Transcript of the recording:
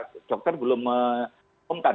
dokter belum mengumumkan